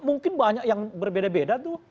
mungkin banyak yang berbeda beda tuh